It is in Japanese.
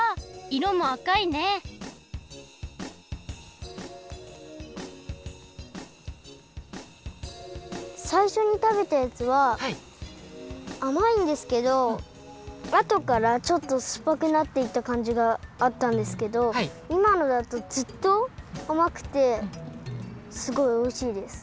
いろもあかいねさいしょにたべたやつはあまいんですけどあとからちょっとすっぱくなっていったかんじがあったんですけどいまのだとずっとあまくてすごいおいしいです。